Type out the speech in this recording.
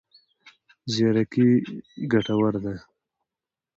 زیرکي ګټور دی.